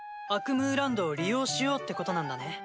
アクムーランドを利用しようってことなんだね。